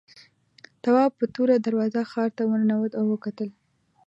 تواب په توره دروازه ښار ته ورننوت او وکتل.